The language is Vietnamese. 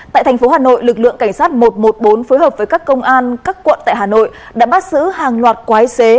tại thành phố hà nội lực lượng cảnh sát một trăm một mươi bốn phối hợp với các công an các quận tại hà nội đã bắt giữ hàng loạt quái xế